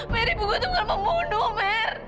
mer ibu gua tuh gak membunuh mer